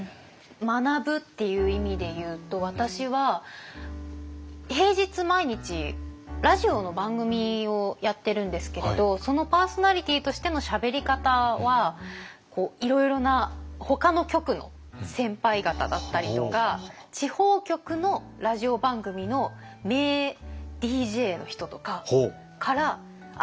学ぶっていう意味でいうと私は平日毎日ラジオの番組をやってるんですけれどそのパーソナリティーとしてのしゃべり方はいろいろなほかの局の先輩方だったりとか地方局のラジオ番組の名ＤＪの人とかからあ